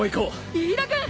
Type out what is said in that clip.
飯田君！